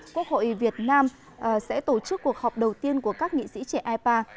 quốc hội việt nam sẽ tổ chức cuộc họp đầu tiên của các nghị sĩ trẻ ipa